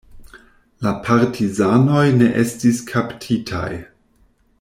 La partizanoj ne estis kaptitaj.